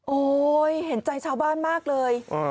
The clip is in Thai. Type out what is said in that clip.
เห็นใจชาวบ้านมากเลย